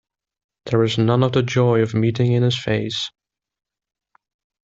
There was none of the joy of meeting in his face.